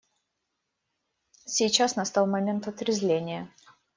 Сейчас настал момент отрезвления.